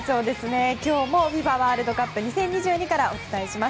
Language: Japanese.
今日もＦＩＦＡワールドカップ２０２２からお伝えします。